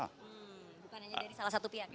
bukan hanya dari salah satu pihak ya